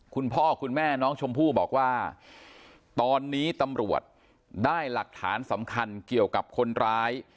คุณพ่อคุณแม่น้องชมพู่บอกว่าตอนนี้ตำรวจได้หลักฐานสำคัญเกี่ยวกับคนร้าย